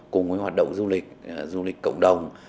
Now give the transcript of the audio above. cùng với hoạt động du lịch du lịch cộng đồng